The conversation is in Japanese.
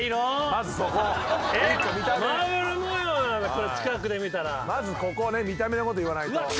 まずここはね見た目のこと言わないと。